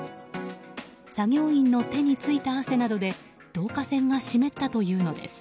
作業員の手についた汗などで導火線が湿ったというのです。